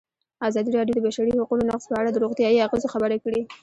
ازادي راډیو د د بشري حقونو نقض په اړه د روغتیایي اغېزو خبره کړې.